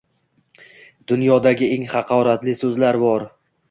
Dunyodagi eng haqoratli soʻzlar bor.